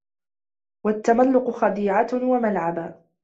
وَالتَّمَلُّقَ خَدِيعَةً وَمَلْعَبًا